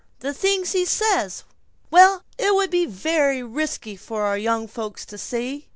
The things he SAYS Well, it would be a very risky thing for our young folks to see.